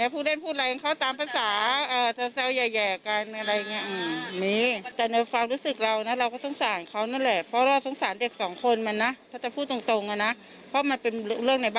พูดเล่นพูดร้อง